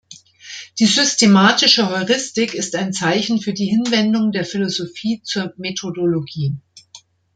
Die Systematische Heuristik ist ein Zeichen für die Hinwendung der Philosophie zur Methodologie.